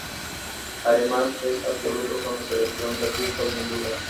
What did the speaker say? Además es absoluto con la Selección de fútbol de Honduras.